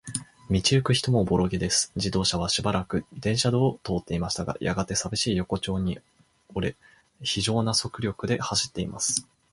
道ゆく人もおぼろげです。自動車はしばらく電車道を通っていましたが、やがて、さびしい横町に折れ、ひじょうな速力で走っています。